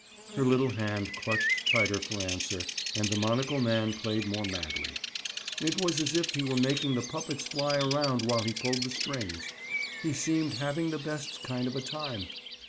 Her little hand clutched tighter for answer, and the monocle man played more madly. It was as if he were making the puppets fly around while he pulled the strings. He seemed having the best kind of a time.